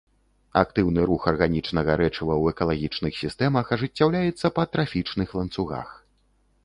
Актыўны рух арганічнага рэчыва ў экалагічных сістэмах ажыццяўляецца па трафічных ланцугах.